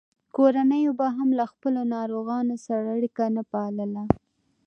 کورنیو به هم له خپلو ناروغانو سره اړیکه نه پاللـه.